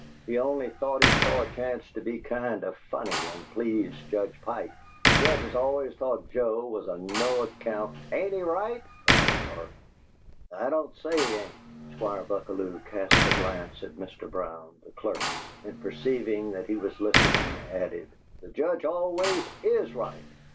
"He only thought he saw a chance to be kind of funny and please Judge Pike. The Judge has always thought Joe was a no account " "Ain't he right?" cried Mr. Arp. "I don't say he ain't." Squire Buckalew cast a glance at Mr. Brown, the clerk, and, perceiving that he was listening, added, "The Judge always IS right!"